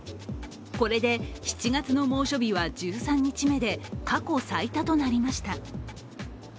これで７月の猛暑日は１３日目で、過去最多となりました。